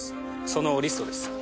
そのリストです。